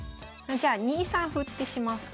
じゃあ２三歩ってします